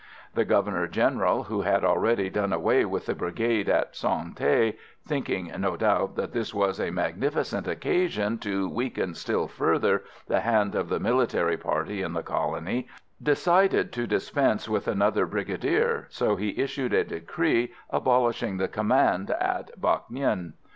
The Governor General, who had already done away with the brigade at Son Tay, thinking, no doubt, that this was a magnificent occasion to weaken still further the hand of the military party in the colony, decided to dispense with another brigadier, so he issued a decree abolishing the command at Bac Ninh.